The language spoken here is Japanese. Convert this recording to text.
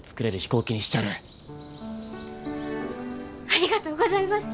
ありがとうございます！